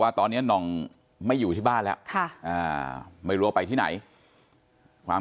ตอนนี้หน่องไม่อยู่ที่บ้านแล้วไม่รู้ว่าไปที่ไหนความ